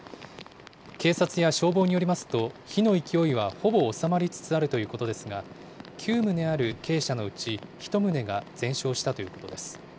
警察や消防によりますと、火の勢いはほぼ収まりつつあるということですが、９棟ある鶏舎のうち１棟が全焼したということです。